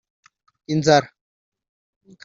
inzara